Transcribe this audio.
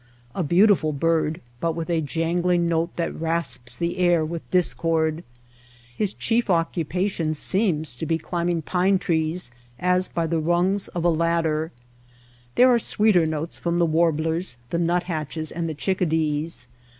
A beautiful bird, but with a jangling note that rasps the air with dis cord. His chief occupation seems to be climb ing pine trees as by the rungs of a ladder. There are sweeter notes from the warblers, the nuthatches, and the chickadees.